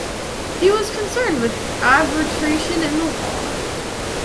He was concerned with arbitration and the law.